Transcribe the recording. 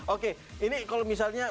oke ini kalau misalnya